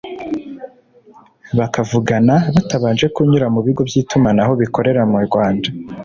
bakavugana bitabanje kunyura mu bigo by’itumanaho bikorera mu Rwanda